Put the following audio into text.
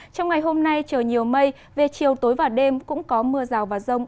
trong ngày hôm nay trời nhiều mây về chiều tối và đêm cũng có mưa rào và rông